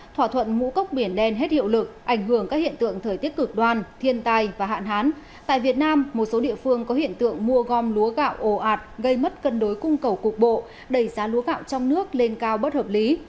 thỏa thuận ngũ cốc biển đen hết hiệu lực ảnh hưởng các hiện tượng thời tiết cực đoan thiên tai và hạn hán tại việt nam một số địa phương có hiện tượng mua gom lúa gạo ồ ạt gây mất cân đối cung cầu cục bộ đẩy giá lúa gạo trong nước lên cao bất hợp lý